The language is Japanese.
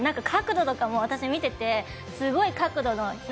角度とかも私、見ててすごい角度の。